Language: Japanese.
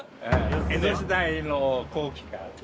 江戸時代の後期から。